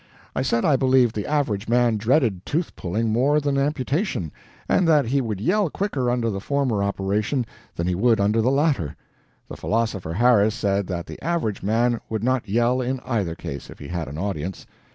I said I believed the average man dreaded tooth pulling more than amputation, and that he would yell quicker under the former operation than he would under the latter. The philosopher Harris said that the average man would not yell in either case if he had an audience.